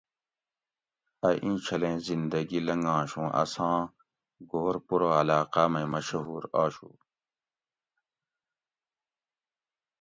ائ ایں چھلیں زندہ گی لنگاںش اُوں اساں گھور پورہ علاقاۤ مئ مشھور آشو